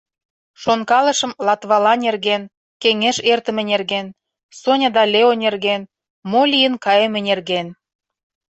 Шонкалышым Латвала нерген, кеҥеж эртыме нерген, Соня да Лео нерген, мо лийын кайыме нерген.